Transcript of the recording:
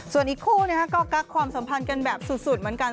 ส่วนอีกคู่ก็กักความสัมพันธ์กันแบบสุดเหมือนกัน